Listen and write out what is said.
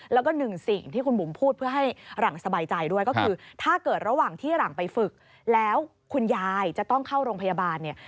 แล้วก็หนึ่งสิ่งที่คุณบุ๋มพูดเพื่อให้หลังสบายใจด้วยก็คือถ้าเกิดระหว่างที่หลังไปฝึกแล้วคุณยายจะต้องเข้าโรงพยาบาลเนี่ย